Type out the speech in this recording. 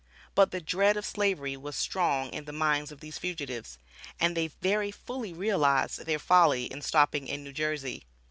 But the dread of Slavery was strong in the minds of these fugitives, and they very fully realized their folly in stopping in New Jersey.